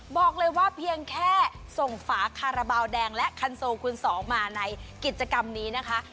บอกเลยว่าเพียงแค่ส่งฝาคาราบาลแดงและคันโซคูณสองมาในกิจกรรมนี้นะคะ